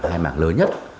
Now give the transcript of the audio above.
hai mảng lớn nhất